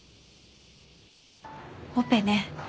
オペね。